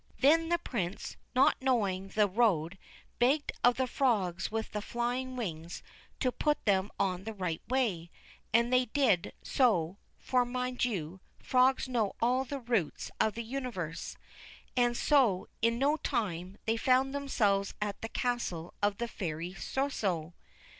Then the Prince, not knowing the road, begged of the frogs with the flying wings to put them on the right way ; and they did so, for, mind you, frogs know all the routes of the universe. And so, in no time, they found themselves at the castle of the fairy Soussio.